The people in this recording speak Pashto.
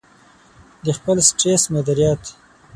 -د خپل سټرس مدیریت